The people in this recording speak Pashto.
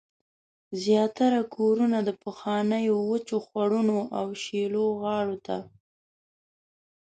زیاتره کورونه د پخوانیو وچو خوړونو او شیلو غاړو ته